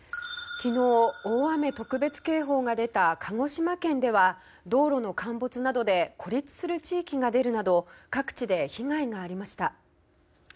昨日、大雨特別警報が出た鹿児島県では道路の陥没などで孤立する地域が出るなど各地で被害がありました。